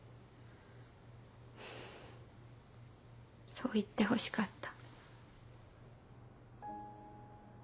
そう言ってほしかった。